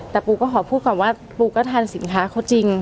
แต่ปูก็ขอพูดก่อนว่าปูก็ทานสินค้าเขาจริง